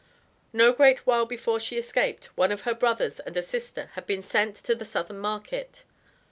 No great while before she escaped, one of her brothers and a sister had been sent to the Southern market.